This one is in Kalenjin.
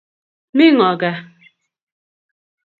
Mi ng'o kaa?